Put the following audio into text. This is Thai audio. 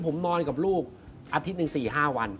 ผมนอนกับลูกอาทิตย์หนึ่ง๔๕วัน